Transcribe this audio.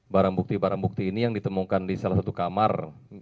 barang bukti barang bukti ini yang ditemukan di salah satu kamar